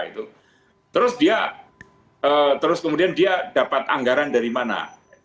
terus kemudian dia dapat anggaran dari mana